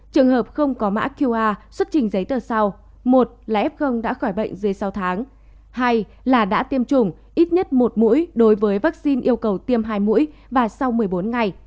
trường hợp không có mã qr xuất trình giấy tờ sau một là f đã khỏi bệnh dưới sáu tháng hai là đã tiêm chủng ít nhất một mũi đối với vaccine yêu cầu tiêm hai mũi và sau một mươi bốn ngày